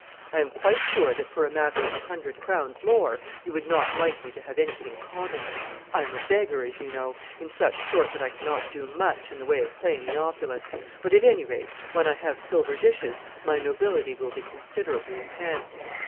I am quite sure that for a matter of a hundred crowns more, you would not like me to have anything common. I am a beggar, as you know; in such sort that I cannot do much in the way of playing the opulent; but at any rate, when I have silver dishes, my nobility will be considerably enhanced."